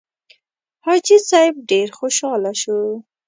حاجي صیب ډېر خوشاله شو.